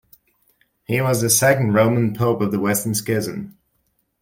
He was the second Roman Pope of the Western Schism.